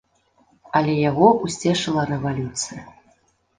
Але яго ўсцешыла рэвалюцыя.